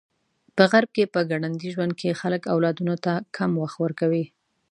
په غرب کې په ګړندي ژوند کې خلک اولادونو ته کم وخت ورکوي.